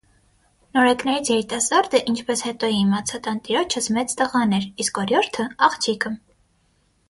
Նորեկներից երիտասարդը, ինչպես հետո իմացա, տանտիրոջս մեծ տղան էր, իսկ օրիորդը - աղջիկը: